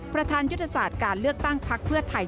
ประธานยุทธศาสตร์การเลือกตั้งพักเพื่อไทย